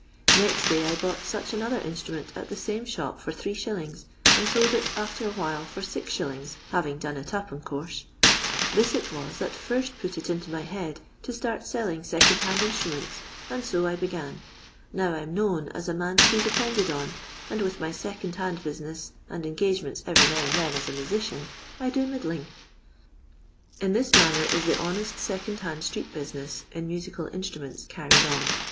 Next day I bought such another instrument at the same shop for 3«., and sold it after a while for 6«., having done it up, in course. This it was that first put it into my head to start selling second hand instruments, and so I began. Now I 'm known as a man to be depended on, and with my sec(md hand business, and en gsgeroents avery now aad then as a musician, I do ■uddiing." In this manner is the honest second hand street business in musical instruments carried on.